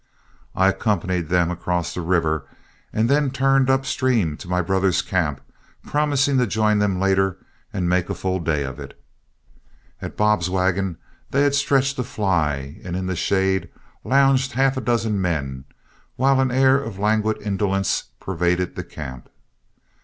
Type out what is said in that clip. I accompanied them across the river, and then turned upstream to my brother's camp, promising to join them later and make a full day of it. At Bob's wagon they had stretched a fly, and in its shade lounged half a dozen men, while an air of languid indolence pervaded the camp.